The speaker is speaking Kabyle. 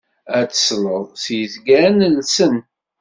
Ar tesleḍ s yizgaren llsen.